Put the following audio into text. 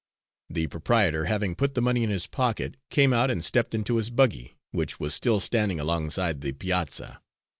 The proprietor, having put the money in his pocket, came out and stepped into his buggy, which was still standing alongside the piazza.